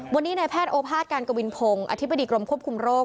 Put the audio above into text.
วันนี้ในแพทย์โอภาษการกวินพงศ์อธิบดีกรมควบคุมโรค